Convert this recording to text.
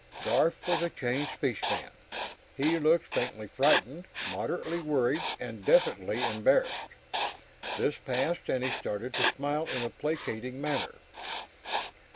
Garf was a changed fishman; he looked faintly frightened, moderately worried, and definitely embarrassed. This passed, and he started to smile in a placating manner.